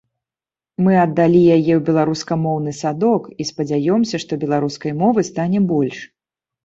Мы аддалі яе ў беларускамоўны садок і спадзяёмся, што беларускай мовы стане больш.